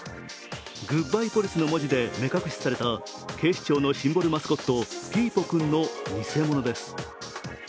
グッバイポリスの文字で目隠しされた警視庁のシンボルマスコットピーポくんのにせものです。